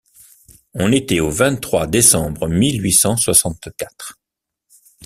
On était au vingt-trois décembre mille huit cent soixante-quatre.